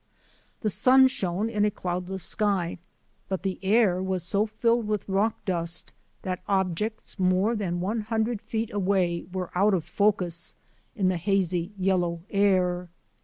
The sun shone in a cloudless sky, but the air was so filled with rock dust that objects more than one hundred feet away were out of focus in the hazy yellow air.